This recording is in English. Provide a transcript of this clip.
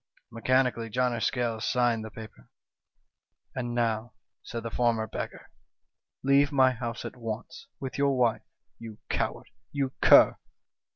" Mechanically John o' Scales signed the paper. "'And now,' said the former beggar, 'leave my house at once, with your wife you coward ! you cur